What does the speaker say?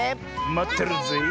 まってるぜえ。